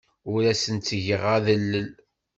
Ur asen-ttgeɣ adellel.